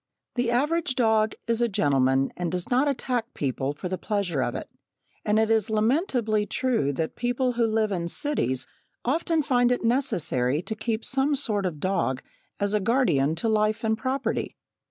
The average dog is a gentleman and does not attack people for the pleasure of it, and it is lamentably true that people who live in cities often find it necessary to keep some sort of a dog as a guardian to life and property.